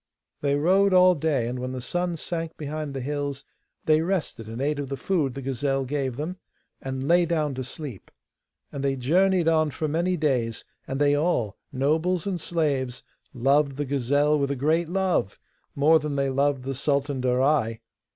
They rode all day, and when the sun sank behind the hills they rested, and ate of the food the gazelle gave them, and lay down to sleep. And they journeyed on for many days, and they all, nobles and slaves, loved the gazelle with a great love more than they loved the Sultan Darai.